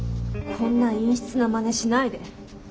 こんな陰湿なまねしないで。